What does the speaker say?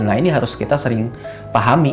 nah ini harus kita sering pahami